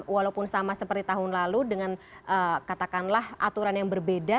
walaupun sama seperti tahun lalu dengan katakanlah aturan yang berbeda